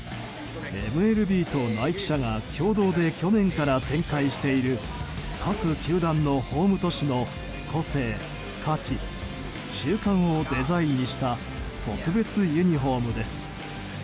ＭＬＢとナイキ社が共同で去年から展開している各球団のホーム都市の個性、価値、習慣をデザインした特別ユニホームです。